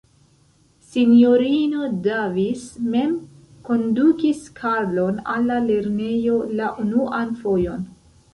Sinjorino Davis mem kondukis Karlon al la lernejo la unuan fojon.